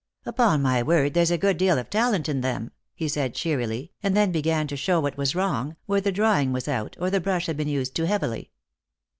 " Upon my word there's a good deal of talent in them," he said cheerily, and then began to show what was wrong, where the drawing was out, or the brush had been used too heavily.